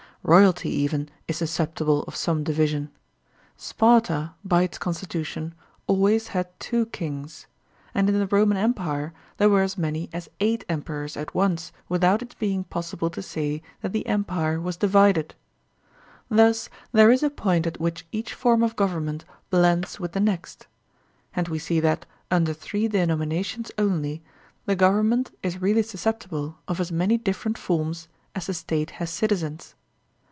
Royalty even is susceptible of some division. Sparta by its constitution always had two kings; and in the Roman Empire there were as many as eight Emperors at once without its being possible to say that the Empire was divided. Thus there is a point at which each form of government blends with the next; and we see that» under three denominations only, the government is really susceptible of as many different forms as the State has citizens.